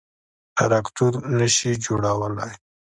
_تراکتور نه شي جوړولای.